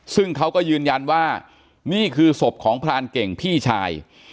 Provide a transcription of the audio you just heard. ซึ่งเขาก็ยืนยันว่านี่คือศพของพรานเก่งพี่ชาย